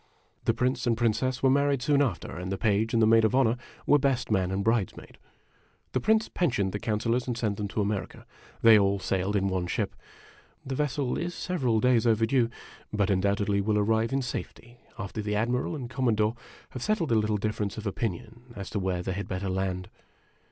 The Prince and Princess were married soon after, and the Page and the Maid of Honor were best man and bridesmaid. The Prince pensioned the Councilors and sent them to America. They all sailed in one ship. The vessel is several days overdue, but undoubtedly will arrive in safety after the Admiral and the Commo dore have settled a little difference of opinion as to where they had better land.